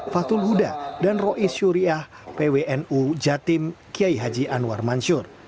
fatul huda dan rois syuriah pwnu jatim kiai haji anwar mansur